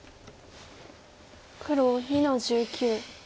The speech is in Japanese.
黒２の十九。